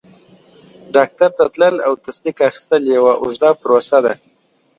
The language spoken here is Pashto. ډاکټر ته تلل او تصدیق اخیستل یوه اوږده پروسه وه.